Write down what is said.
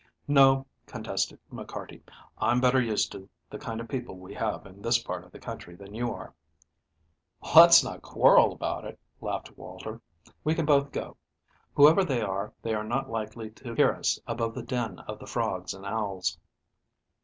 "No," contested McCarty. "I'm better used to the kind of people we have in this part of the country than you are." "Let's not quarrel about it," laughed Walter. "We can both go. Whoever they are, they are not likely to hear us above the din of the frogs and owls."